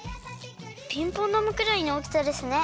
ピンポンだまくらいのおおきさですね。